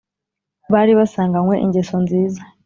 Bari basanganywe ingeso nziza